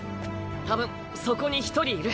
たぶんそこに一人いる。